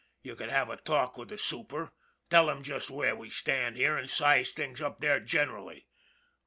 You could have a talk with the super, tell him just where we stand here, an* size things up there generally.